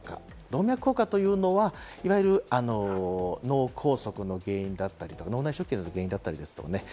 動脈硬化というのはいわゆる脳梗塞の原因だったり、脳内出血の原因だったりですね。